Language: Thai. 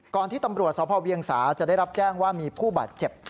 ที่ตำรวจสพเวียงสาจะได้รับแจ้งว่ามีผู้บาดเจ็บ